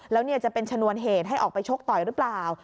แล้วจะเป็นชนวนเหตุให้ออกไปชกต่อยหรือเปล่า